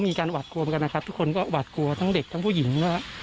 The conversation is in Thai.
หวาดกลัวเหมือนกันนะครับทุกคนก็หวาดกลัวทั้งเด็กทั้งผู้หญิงว่า